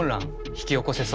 引き起こせそう？